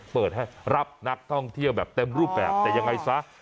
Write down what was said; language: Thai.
เปิดให้รับนักท่องเที่ยวแบบเต็มรูปแบบแต่ยังไงซะ